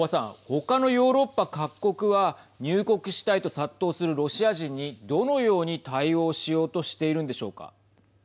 他のヨーロッパ各国は入国したいと殺到するロシア人にどのように対応しようとしているんでしょうか。